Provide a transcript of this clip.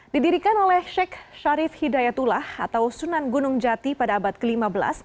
didirikan oleh sheikh syarif hidayatullah atau sunan gunung jati pada abad ke lima belas